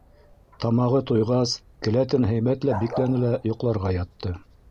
Тамағы туйғас, келәтен һәйбәтләп бикләне лә, йоҡларға ятты.